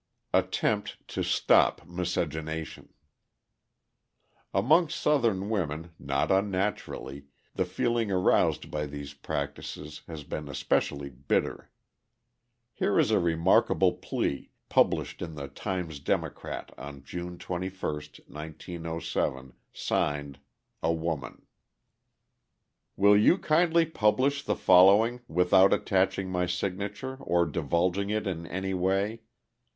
Attempt to Stop Miscegenation Among Southern women, not unnaturally, the feeling aroused by these practices has been especially bitter. Here is a remarkable plea, published in the Times Democrat on June 21, 1907, signed "A woman." Will you kindly publish the following without attaching my signature or divulging it in any way?